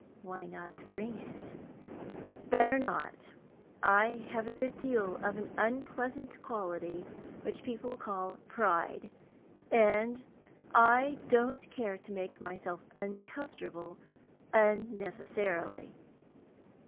"Why not bring it?" "Better not. I have a good deal of an unpleasant quality which people call pride, and I don't care to make myself uncomfortable unnecessarily."